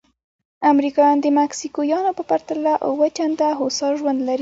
امریکایان د مکسیکویانو په پرتله اووه چنده هوسا ژوند لري.